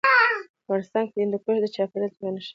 افغانستان کې هندوکش د چاپېریال د تغیر نښه ده.